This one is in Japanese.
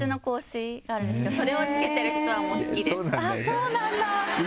そうなんだ！